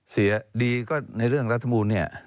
เสียดีก็ในเรื่องรัฐมนูลเนี่ย